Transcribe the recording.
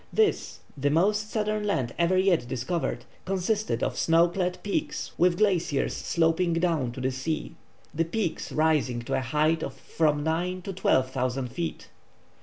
This, the most southern land ever yet discovered, consisted of snow clad peaks with glaciers sloping down to the sea, the peaks rising to a height of from nine to twelve thousand feet.